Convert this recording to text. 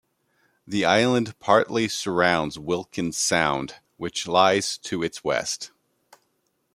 The island partly surrounds Wilkins Sound, which lies to its west.